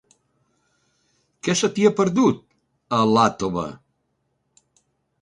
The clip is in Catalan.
Què se t'hi ha perdut, a Iàtova?